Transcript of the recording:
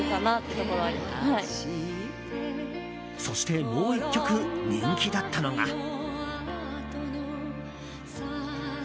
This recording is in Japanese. そして、もう１曲人気だったのが。